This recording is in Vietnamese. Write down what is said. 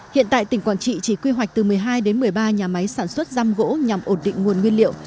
hiện tại tỉnh quảng trị chỉ quy hoạch từ một mươi hai đến một mươi ba nhà máy sản xuất giam gỗ nhằm ổn định nguồn nguyên liệu